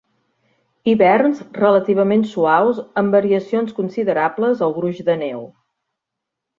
Hiverns relativament suaus amb variacions considerables al gruix de neu.